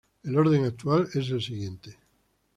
El orden actual es el siguiente